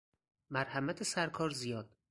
مرحمت سرکار زیاد!